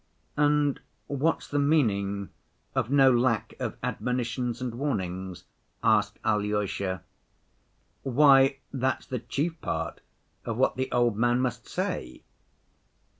" "And what's the meaning of 'no lack of admonitions and warnings'?" asked Alyosha. "Why, that's the chief part of what the old man must say.